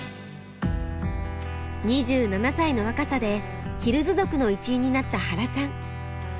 ２７歳の若さでヒルズ族の一員になった原さん。